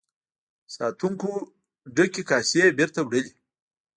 ساتونکو ډکې کاسې بیرته وړلې.